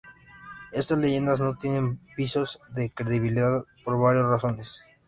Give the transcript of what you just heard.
Esta leyenda no tiene visos de credibilidad por varias razones.